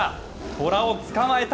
虎を捕まえた。